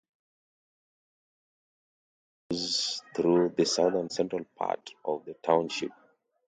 Beaver Creek flows through the south-central part of the township.